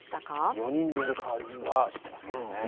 ４人でやるカーリングは知ってますけどね。